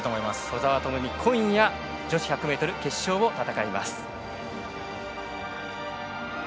兎澤朋美、今夜女子１００ｍ決勝を戦います。